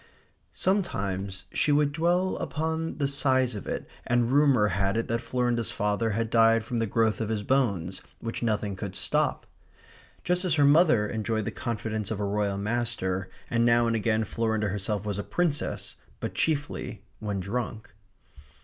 Sometimes she would dwell upon the size of it, and rumour had it that Florinda's father had died from the growth of his bones which nothing could stop; just as her mother enjoyed the confidence of a Royal master, and now and again Florinda herself was a Princess, but chiefly when drunk.